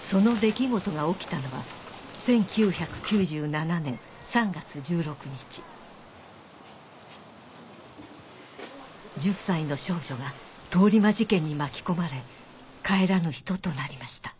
その出来事が起きたのは１０歳の少女が通り魔事件に巻き込まれ帰らぬ人となりました